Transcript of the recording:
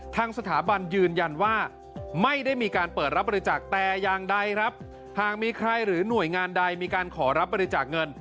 ทางสถาบันยืนยันว่าไม่ได้มีการเปิดรับบริจาคแต่อย่างใดครับหากมีใครหรือหน่วยงานใดมีการขอรับบริจาคเงิน